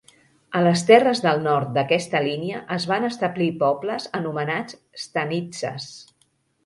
A les terres del nord d'aquesta línia es van establir pobles anomenats stanitsas.